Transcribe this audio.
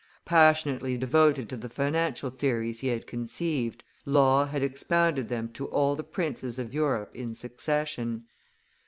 Passionately devoted to the financial theories he had conceived, Law had expounded them to all the princes of Europe in succession.